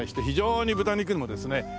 非常に豚肉にもですね